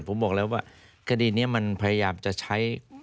ผมบอกแล้วว่าคดีนี้มันพยายามจะใช้